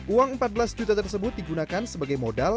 uang empat belas juta tersebut digunakan sebagai modal